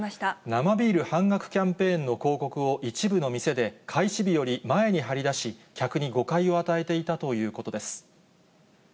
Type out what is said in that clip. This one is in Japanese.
生ビール半額キャンペーンの広告を一部の店で開始日より前に貼りだし、客に誤解を与えていたということです。